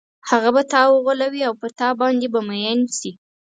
هغه به تا وغولوي او پر تا باندې به مئین شي.